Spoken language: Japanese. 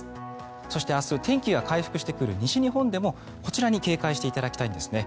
そして明日、天気が回復してくる西日本でもこちらに警戒していただきたいんですね。